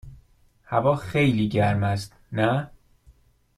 هوا خیلی گرم است، نه؟